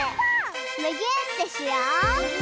むぎゅーってしよう！